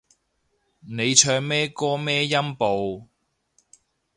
你唱咩歌咩音部